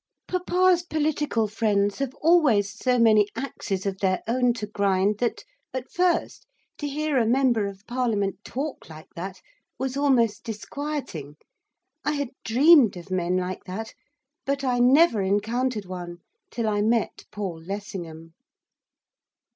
Papa's political friends have always so many axes of their own to grind, that, at first, to hear a member of Parliament talk like that was almost disquieting. I had dreamed of men like that; but I never encountered one till I met Paul Lessingham.